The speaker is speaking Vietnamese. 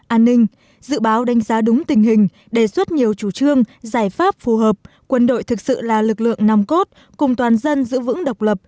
an ninh dự báo đánh giá đúng tình hình đề xuất nhiều chủ trương giải pháp phù hợp quân đội thực sự là lực lượng nòng cốt cùng toàn dân giữ vững độc lập